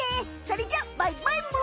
それじゃバイバイむ！